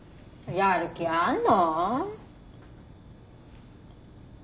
やる気あんの？